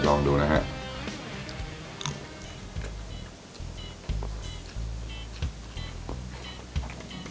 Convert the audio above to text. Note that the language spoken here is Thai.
นี่ลองดูนะฮะ